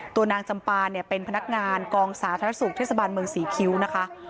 นางจำปาเนี่ยเป็นพนักงานกองสาธารณสุขเทศบาลเมืองศรีคิ้วนะคะ